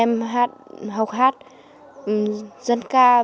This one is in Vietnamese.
em đến nhà ông phin học hát dân ca thu lao và vừa nghỉ hè và em học giáo riêng